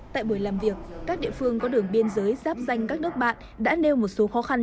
tại buổi làm việc các địa phương có đường biên giới giáp danh các nước bạn đã nêu một số khó khăn